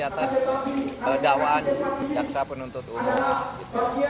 atas dakwaan jaksa penuntut umum